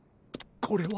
これは？